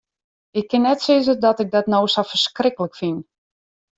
Ik kin net sizze dat ik dat no sa ferskriklik fyn.